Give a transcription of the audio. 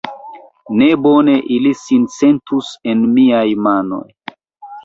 Ne bone ili sin sentus en miaj manoj!